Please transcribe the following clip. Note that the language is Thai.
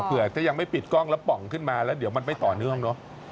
เผื่อถ้ายังไม่ปิดกล้องแล้วป่องขึ้นมาแล้วเดี๋ยวมันไม่ต่อเนื่องเนอะ